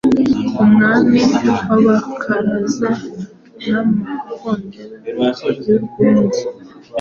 Umwami w’abakaraza namakondera yurwunge